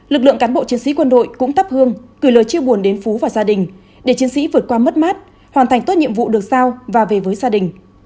lực lượng cán bộ chiến sĩ quân đội cũng thắp hương gửi lời chia buồn đến phú và gia đình để chiến sĩ vượt qua mất mát hoàn thành tốt nhiệm vụ được sao và về với gia đình